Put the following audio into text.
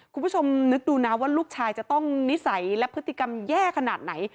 คุณผู้ชมนึกดูนะว่าลูกชายจะต้องนิสัยและพฤติกรรมแย่ขนาดไหน